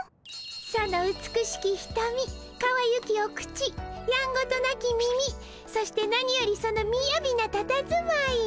その美しきひとみかわゆきお口やんごとなき耳そして何よりそのみやびなたたずまい。